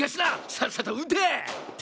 さっさと撃て！